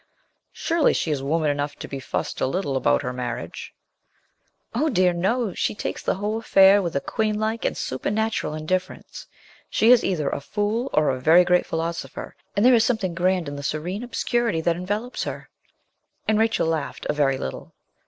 'Surely she is woman enough to be fussed a little about her marriage?' 'Oh, dear, no! she takes the whole affair with a queenlike and supernatural indifference. She is either a fool or a very great philosopher, and there is something grand in the serene obscurity that envelopes her,' and Rachel laughed a very little.